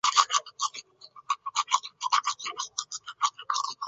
布商大厦弦乐四重奏团是弦乐四重奏历史上建团最悠久的四重奏组。